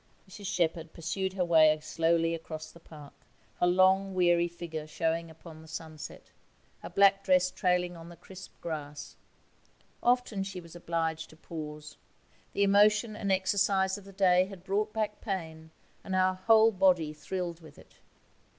Mrs Shepherd pursued her way slowly across the park, her long weary figure showing upon the sunset, her black dress trailing on the crisp grass. Often she was obliged to pause; the emotion and exercise of the day had brought back pain, and her whole body thrilled with it.